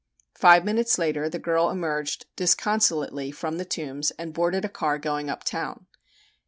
Five minutes later the girl emerged disconsolately from the Tombs and boarded a car going uptown.